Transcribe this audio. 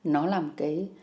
nó là một cái